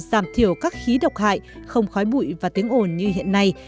giảm thiểu các khí độc hại không khói bụi và tiếng ồn như hiện nay